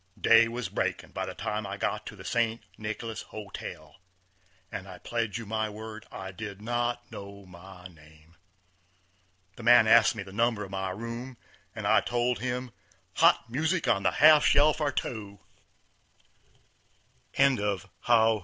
Day was breakin' by the time I got to the St. Nicholas Hotel, and I pledge you my word I did not know my name. The man asked me the number of my room, and I told him, "Hot music on the half shell for two!" PLAGIARISM BY JOHN B.